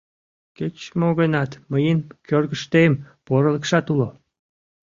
— Кеч-мо гынат, мыйын кӧргыштем порылыкшат уло.